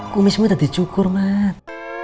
kumismu tadi cukur mak